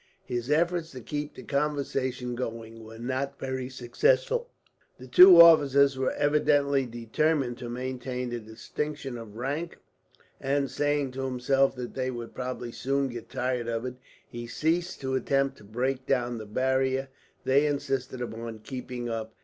His efforts to keep the conversation going were not very successful. The two officers were evidently determined to maintain the distinction of rank and, saying to himself that they would probably soon get tired of it, he ceased to attempt to break down the barrier they insisted upon keeping up.